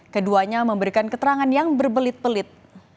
keduanya memberikan keterangan yang berbelit belit